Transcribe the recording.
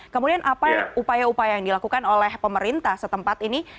kemudian apa upaya upaya yang dilakukan oleh pemerintah setempat ini